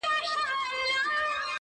نو ځکه مونږ د هغه د تعریف کولو